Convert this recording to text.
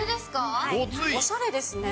おしゃれですね。